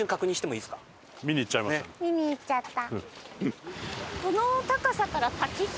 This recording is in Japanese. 見に行っちゃった。